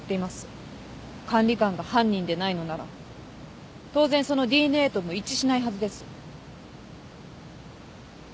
管理官が犯人でないのなら当然そのＤＮＡとも一致しないはずです。